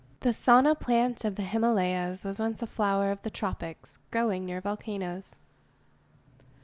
[The Sana plant of the Himalayas was once a flower of the tropics, growing near volcanos.